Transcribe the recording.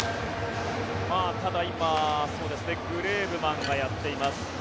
ただ、今グレーブマンがやっています。